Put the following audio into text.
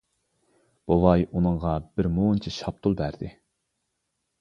بوۋاي ئۇنىڭغا بىر مۇنچە شاپتۇل بەردى.